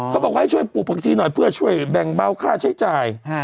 เขาบอกให้ช่วยปลูกผักชีหน่อยเพื่อช่วยแบ่งเบาค่าใช้จ่าย